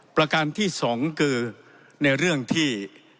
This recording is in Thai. ประการที่๒คือในเรื่องที่